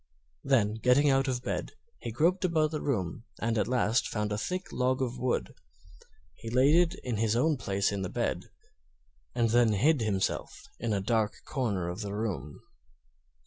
Then, getting out of bed, he groped about the room and at last found a thick tog of wood. He laid it in his own place in the bed, and then hid himself in a dark corner of the room.